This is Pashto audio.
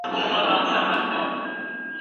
که موضوع جالبه وي نو خلګ به یې په ډېره مینه ولولي.